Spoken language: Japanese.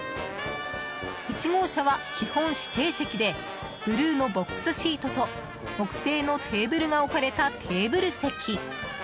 １号車は基本指定席でブルーのボックスシートと木製のテーブルが置かれたテーブル席。